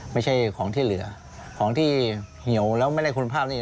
ไม่ใช่ของที่เหลือของที่เหี่ยวแล้วไม่ได้คุณภาพนี่